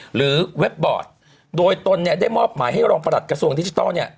เว็บบอร์ดโดยตนเนี่ยได้มอบหมายให้รองประหลัดกระทรวงดิจิทัลเนี่ย